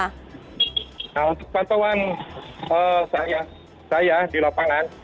nah untuk pantauan saya di lapangan